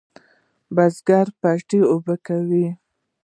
بزگر پټی اوبه کوي.